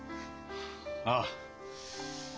ああ。